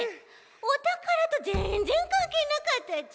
おたからとぜんぜんかんけいなかったち。